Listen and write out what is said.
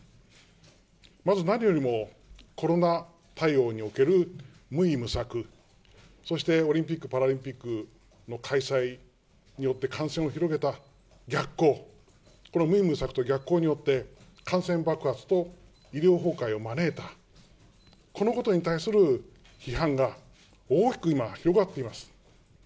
まず何よりも、コロナ対応における無為無策、そしてオリンピック・パラリンピックの開催によって感染を広げた逆行、この無為無策と逆行によって、感染爆発と医療崩壊を招いた、このことに対する批判が大きく今、広がっています。